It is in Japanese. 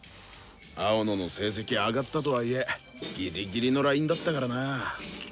青野の成績上がったとはいえギリギリのラインだったからな。